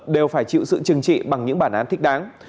đều phải chịu sự chừng trị bằng những bản án thích đáng